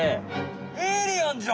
エイリアンじゃん！